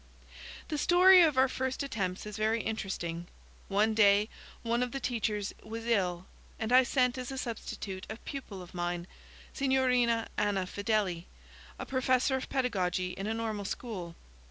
The story of our first attempts is very interesting. One day one of the teachers was ill, and I sent as a substitute a pupil of mine, Signorina Anna Fedeli, a professor of pedagogy in a Normal school.